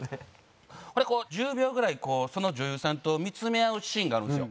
ほんでこう１０秒ぐらいその女優さんと見つめ合うシーンがあるんですよ。